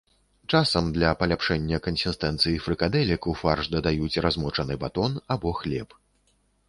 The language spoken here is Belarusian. Часам для паляпшэння кансістэнцыі фрыкадэлек ў фарш дадаюць размочаны батон або хлеб.